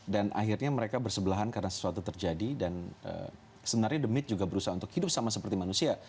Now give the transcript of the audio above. dan akhirnya mereka bersebelahan karena sesuatu terjadi dan sebenarnya the myth juga berusaha untuk hidup sama seperti manusia